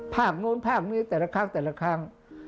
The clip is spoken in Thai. ภาพนู้นภาพนี้แต่ละครั้งแต่ละครั้ง